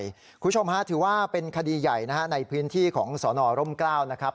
คุณผู้ชมฮะถือว่าเป็นคดีใหญ่นะฮะในพื้นที่ของสนร่มกล้าวนะครับ